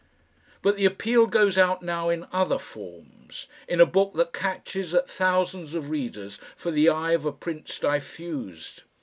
But the appeal goes out now in other forms, in a book that catches at thousands of readers for the eye of a Prince diffused.